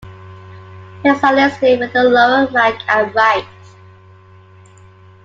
Ranks are listed with the lower rank at right.